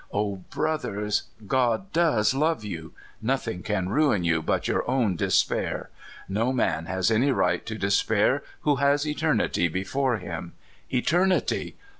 O broth ers, God does love you ! Nothing can ruin ^^ou but your own despair. No man has any right to despair who has eternity before him. Eternity!